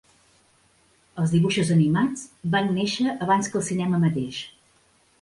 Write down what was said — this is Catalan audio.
Els dibuixos animats van néixer abans que el cinema mateix.